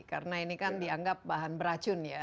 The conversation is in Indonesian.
karena ini kan dianggap bahan beracun ya